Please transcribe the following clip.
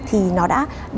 thì nó đã đưa ra luôn ra rồi